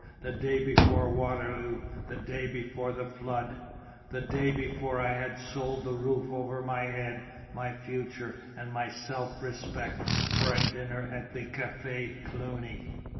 the day before Waterloo, the day before the Flood; the day before I had sold the roof over my head, my future, and my self respect, for a dinner at the Cafe Cluny!